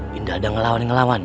binda ada ngelawan ngelawan